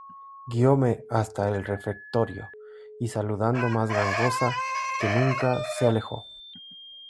guióme hasta el refectorio, y saludando más gangosa que nunca , se alejó.